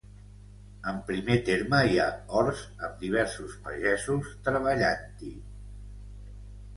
En primer terme hi ha horts, amb diversos pagesos treballant-hi.